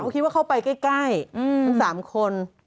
คิดว่าเข้าไปใกล้ทั้ง๓คน